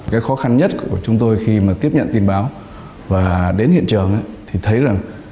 cái khó khăn nhất của chúng tôi khi mà tiếp nhận tin báo và đến hiện trường thì thấy rằng